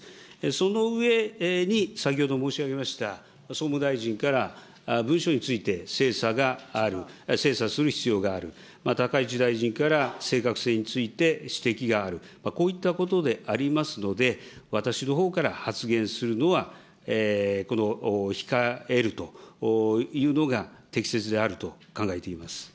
その上に先ほど申し上げました、総務大臣から文書について精査がある、精査する必要がある、高市大臣から正確性について指摘がある、こういったことでありますので、私のほうから発言するのは、控えるというのが適切であると考えております。